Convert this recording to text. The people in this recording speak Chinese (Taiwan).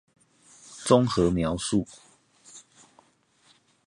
綜合描述